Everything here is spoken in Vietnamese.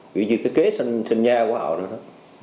ví dụ cái kế sinh nhà của họ đó